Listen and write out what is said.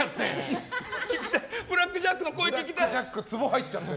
ブラック・ジャックの声聞きたい！